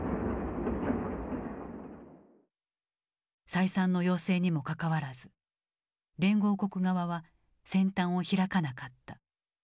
再三の要請にもかかわらず連合国側は戦端を開かなかった。